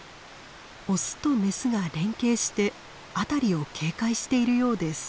オスとメスが連携して辺りを警戒しているようです。